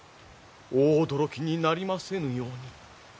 お驚きになりませぬように。